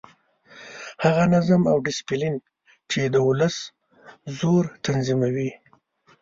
هغه نظم او ډسپلین چې د ولس زور تنظیموي.